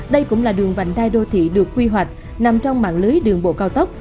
dự toán chi phí bồi thường vành đai đô thị được quy hoạch nằm trong mạng lưới đường bộ cao tốc